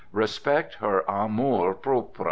Respect her amour propre.